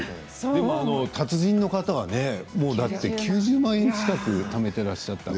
でも達人の方は９０万円近くためていらっしゃって。